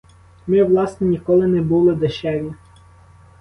Ми власне ніколи не були дешеві!